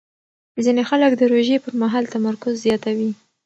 ځینې خلک د روژې پر مهال تمرکز زیاتوي.